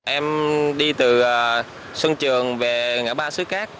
em đi từ xuân trường về ngã ba xứ khác